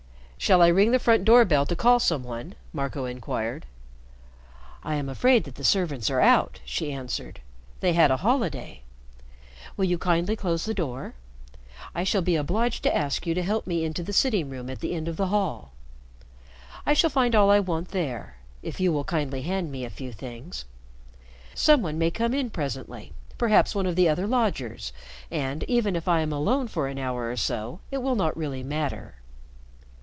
"Shall I ring the front door bell to call some one?" Marco inquired. "I am afraid that the servants are out," she answered. "They had a holiday. Will you kindly close the door? I shall be obliged to ask you to help me into the sitting room at the end of the hall. I shall find all I want there if you will kindly hand me a few things. Some one may come in presently perhaps one of the other lodgers and, even if I am alone for an hour or so, it will not really matter."